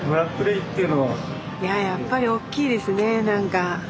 やっぱり大きいですね何か。